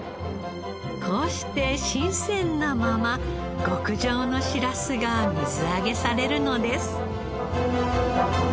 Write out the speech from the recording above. こうして新鮮なまま極上のしらすが水揚げされるのです。